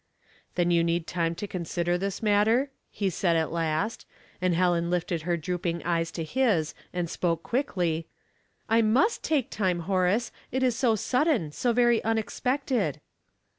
" Then you need time to consider this mat ter?" he said at last; and Helen lifted her drooping eyes to his and spoke quickly :'' I must take time, Horace ; it is so sudden, BO very unexpected."